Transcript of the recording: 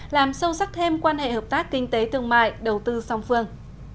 làm sâu sắc thêm quan hệ hợp tác kinh tế thương mại đầu tư song phương